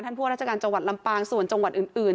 พวกราชการจังหวัดลำปางส่วนจังหวัดอื่น